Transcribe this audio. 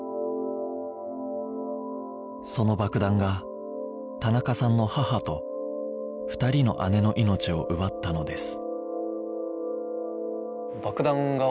その爆弾が田中さんの母と２人の姉の命を奪ったのです